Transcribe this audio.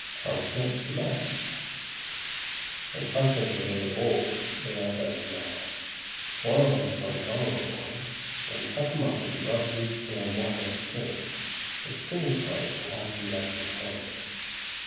PARSNIPS, MASHED. When parsnips are very old they are best mashed. Boil them for an hour or more, then cut them up and rub them through a wire sieve. The stringy part will have to be left behind.